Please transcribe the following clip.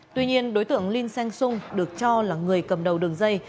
tuy nhiên đối tượng linh seng sung được cho là người cầm đầu đường dây